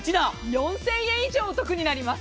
４０００円以上お得になります。